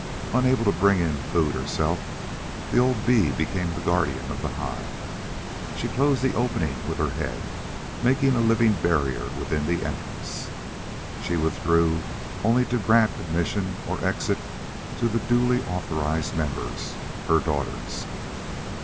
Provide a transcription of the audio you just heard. Unable to bring in food, herself, the old bee became the guardian of the hive. She closed the opening with her head, making a living barrier within the entrance. She withdrew only to grant admission or exit to the duly authorized members, her daughters.